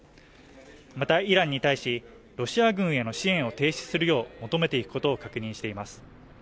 また、イランに対し、ロシア軍への支援を停止するよう求めていくことを確認にしています。